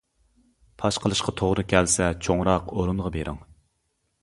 پاش قىلىشقا توغرا كەلسە چوڭراق ئورۇنغا بېرىڭ.